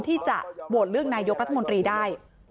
ที่จะโหวตเลือกนายกรัฐมนตรีได้